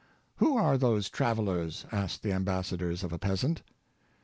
" Who are those travel ers? " asked the ambassadors of a peasant.